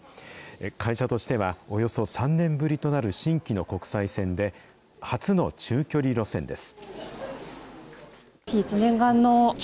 会社としては、およそ３年ぶりとなる新規の国際線で、初の中距離路線です。